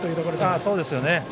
そうですね。